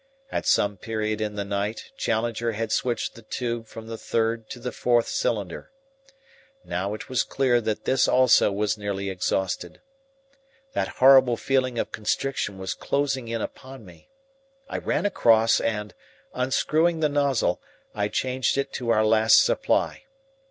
At some period in the night Challenger had switched the tube from the third to the fourth cylinder. Now it was clear that this also was nearly exhausted. That horrible feeling of constriction was closing in upon me. I ran across and, unscrewing the nozzle, I changed it to our last supply.